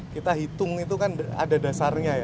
kita hitung itu kan ada dasarnya ya